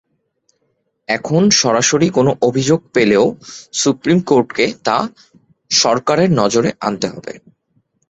এখন সরাসরি কোনো অভিযোগ পেলেও সুপ্রিম কোর্টকে তা সরকারের নজরে আনতে হবে।